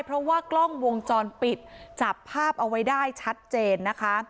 เพราะว่ากล้องวงจรปิดจับภาพเอาไว้ได้ชัดเจนนะคะ